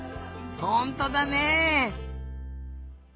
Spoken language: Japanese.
ほんとだね！